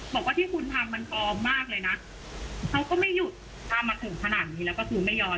บอกว่าที่คุณทำมันปลอมมากเลยนะเขาก็ไม่หยุดทำมาถึงขนาดนี้แล้วก็คือไม่ยอม